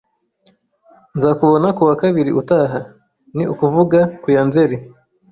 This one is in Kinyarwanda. Nzakubona ku wa kabiri utaha, ni ukuvuga ku ya Nzeri.